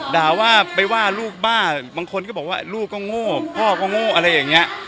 ด่าว่าไปว่าลูกบ้าบางคนก็บอกว่าลูกก็โง่พ่อก็โง่อะไรอย่างนี้